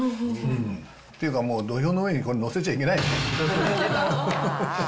っていうか、もう土俵の上に載せちゃいけないですね。